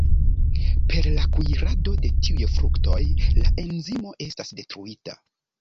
Per la kuirado de tiuj fruktoj la enzimo estas detruita.